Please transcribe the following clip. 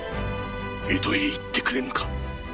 江戸へ行ってくれぬか？